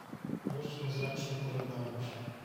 "Dość niezręcznie pożegnałem się."